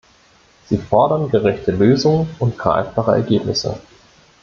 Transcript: Sie fordern gerechte Lösungen und greifbare Ergebnisse.